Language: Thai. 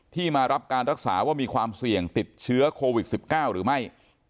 มารับการรักษาว่ามีความเสี่ยงติดเชื้อโควิด๑๙หรือไม่